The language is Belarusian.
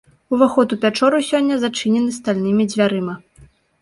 Уваход у пячору сёння зачынены стальнымі дзвярыма.